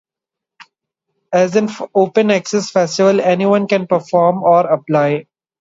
As an open-access festival, anyone can perform or apply.